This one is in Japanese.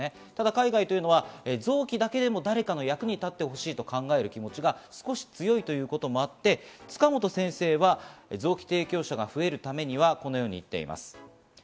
海外は臓器だけでも誰かの役に立ってほしいと考える気持ちが少し強いということもあって塚本先生は臓器提供者が増えるためには、このように言っています。